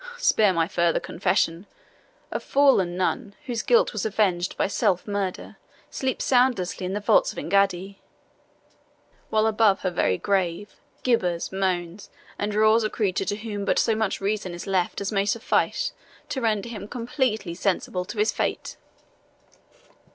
Spare me further confession! A fallen nun, whose guilt was avenged by self murder, sleeps soundly in the vaults of Engaddi; while, above her very grave, gibbers, moans, and roars a creature to whom but so much reason is left as may suffice to render him completely sensible to his fate!"